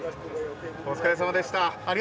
お疲れさまでした。